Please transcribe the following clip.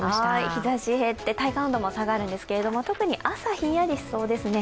日ざし減って、体感温度も下がるんですけど、特に朝がひんやりしそうですね。